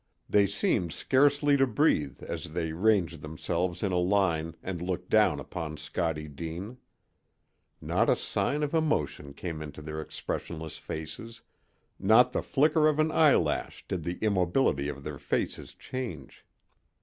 They seemed scarcely to breathe as they ranged themselves in a line and looked down upon Scottie Deane. Not a sign of emotion came into their expressionless faces, not the flicker of an eyelash did the immobility of their faces change.